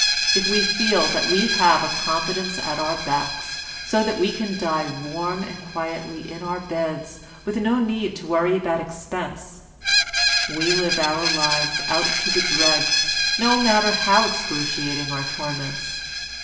If we feel that we have a competence at our backs, so that we can die warm and quietly in our beds, with no need to worry about expense, we live our lives out to the dregs, no matter how excruciating our torments.